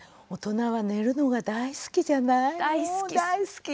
大人は寝るのが大好きじゃない？